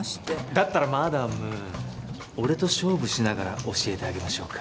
だったらマダム俺と勝負しながら教えてあげましょうか？